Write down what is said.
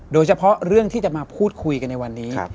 โดยเฉพาะเรื่องที่จะมาพูดคุยกันในวันนี้